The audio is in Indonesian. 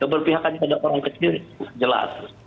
kepada pihaknya ada orang kecil jelas